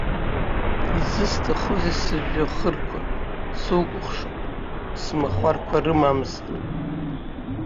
Изысҭахузеи сыжәҩахырқәа, сукәыхшоуп, смахәарқәа рымамзар?